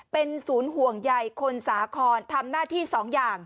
เป็นศูนย์ห่วงใยคนสาครทำหน้าที่สองอย่าง